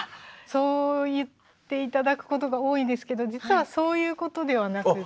そう言って頂くことが多いんですけど実はそういうことではなくって。